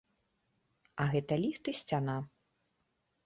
А гэта ліфт і сцяна.